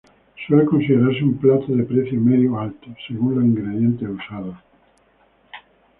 Suele considerarse un plato de precio medio a alto, según los ingredientes usados.